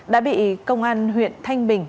đã bị công an huyện thanh bình